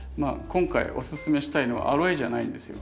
今回おススメしたいのはアロエじゃないんですよ。